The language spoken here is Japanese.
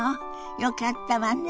よかったわね。